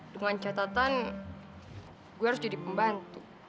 dengan catatan gue harus jadi pembantu